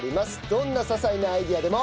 どんな些細なアイデアでも。